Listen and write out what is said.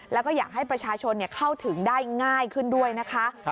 แล้วก็อยากให้ประชาชนเข้าถึงได้ง่ายขึ้นด้วยนะคะ